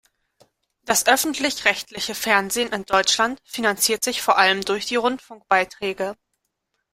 Das öffentlich-rechtliche Fernsehen in Deutschland finanziert sich vor allem durch die Rundfunkbeiträge.